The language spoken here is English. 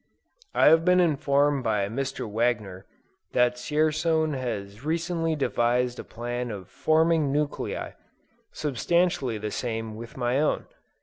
I have been informed by Mr. Wagner, that Dzierzon has recently devised a plan of forming nuclei, substantially the same with my own.